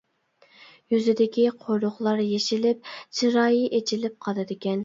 يۈزىدىكى قورۇقلار يېشىلىپ، چىرايى ئېچىلىپ قالىدىكەن.